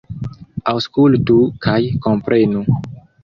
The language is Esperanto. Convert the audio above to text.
Aŭskultu kaj komprenu!